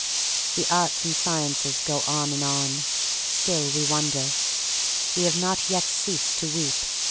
The arts and sciences go on and on — still we wonder. We have not yet ceased to weep.